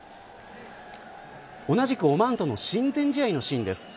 同じくオマーンとの親善試合のシーンです。